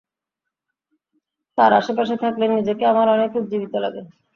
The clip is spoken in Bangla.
তার আশেপাশে থাকলে নিজেকে আমার অনেক উজ্জীবিত লাগে।